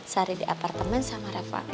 sari di apartemen sama reva